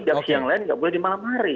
di aksi yang lain nggak boleh di malam hari